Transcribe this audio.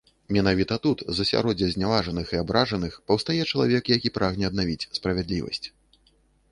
Менавіта тут з асяроддзя зняважаных і абражаных паўстае чалавек, які прагне аднавіць справядлівасць.